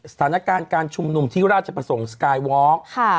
สถานการณ์การชุมนุมที่ราชประสงค์สกายวอล์ก